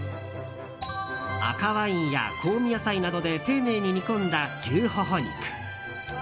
赤ワインや香味野菜などで丁寧に煮込んだ牛ホホ肉。